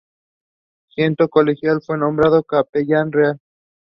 Siendo colegial fue nombrado capellán real.